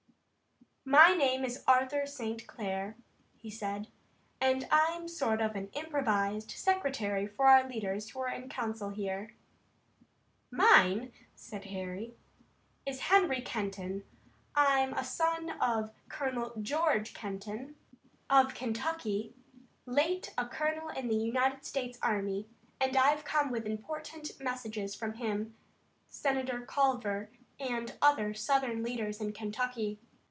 "My name is Arthur St. Clair," he said, "and I'm a sort of improvised secretary for our leaders who are in council here." "Mine," said Harry, "is Henry Kenton. I'm a son of Colonel George Kenton, of Kentucky, late a colonel in the United States Army, and I've come with important messages from him, Senator Culver and other Southern leaders in Kentucky."